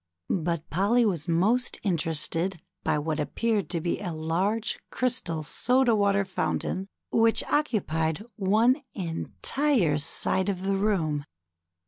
But Polly was most interested by what appeared to be a large crystal soda water fountain which occupied one entire side of the room.